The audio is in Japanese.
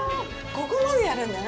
ここまでやるんだな？